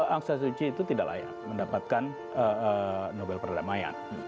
angsa suci itu tidak layak mendapatkan nobel perdamaian